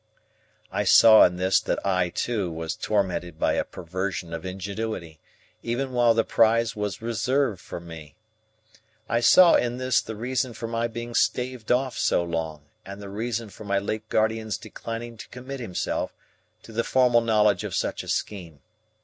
I saw in this that I, too, was tormented by a perversion of ingenuity, even while the prize was reserved for me. I saw in this the reason for my being staved off so long and the reason for my late guardian's declining to commit himself to the formal knowledge of such a scheme.